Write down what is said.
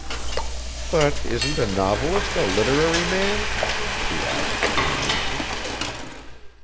"But isn't a novelist a literary man?" she asked in amazement.